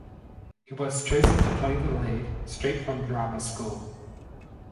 He was chosen to play the lead straight from drama school.